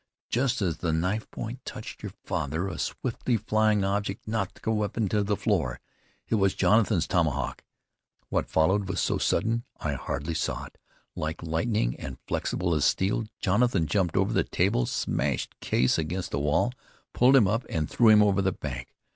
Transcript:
"Just as the knife point touched your father, a swiftly flying object knocked the weapon to the floor. It was Jonathan's tomahawk. What followed was so sudden I hardly saw it. Like lightning, and flexible as steel, Jonathan jumped over the table, smashed Case against the wall, pulled him up and threw him over the bank.